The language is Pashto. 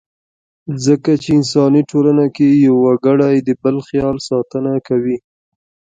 ځکه چې انساني ټولنه کې يو وګړی د بل خیال ساتنه کوي.